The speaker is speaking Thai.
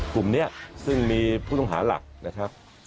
กลุ่มนี้ซึ่งมีผู้ต้องหาหลักนะครับ